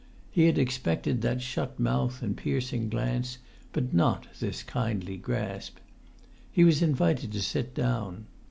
He had expected that shut mouth and piercing glance, but not this kindly grasp. He was invited to sit down.